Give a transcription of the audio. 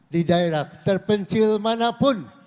di daerah terpencil manapun